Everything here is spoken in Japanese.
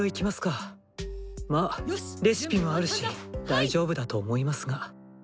まあレシピもあるし大丈夫だと思いますが。